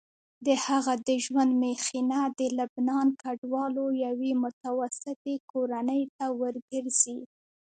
د هغه د ژوند مخینه د لبنان کډوالو یوې متوسطې کورنۍ ته ورګرځي.